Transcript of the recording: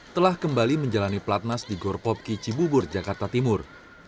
telah kembali menjalani platnas di gorpopki cibubur jakarta timur